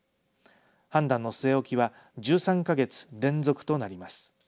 判断の据え置きは１３か月連続となります。